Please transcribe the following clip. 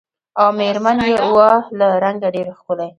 او مېر من یې وه له رنګه ډېره ښکلې